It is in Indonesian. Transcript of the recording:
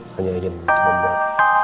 hanya dia yang begitu membawa